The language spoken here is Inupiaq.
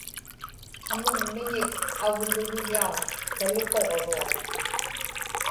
qamunmiñik aglugigaa kalikuġruaq